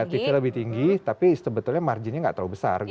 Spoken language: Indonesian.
negatifnya lebih tinggi tapi sebetulnya marginnya nggak terlalu besar gitu